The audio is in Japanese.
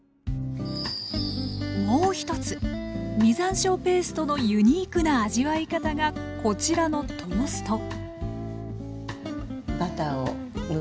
もう一つ実山椒ペーストのユニークな味わい方がこちらのトースト